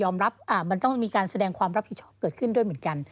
มันต้องมีการแสดงความรับผิดชอบเกิดขึ้นด้วยเหมือนกัน